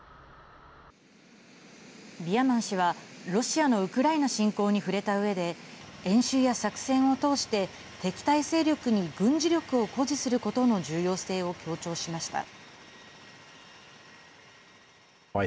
ビアマン氏はロシアのウクライナ侵攻に触れたうえで演習や作戦を通して敵対勢力に軍事力を誇示することの重要性を強調しました。